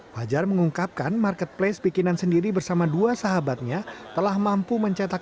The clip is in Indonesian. fajar mengungkapkan marketplace bikinan sendiri bersama dua sahabatnya telah mampu mencetak